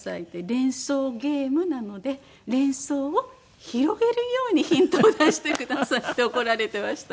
『連想ゲーム』なので連想を広げるようにヒントを出してくださいって怒られてました。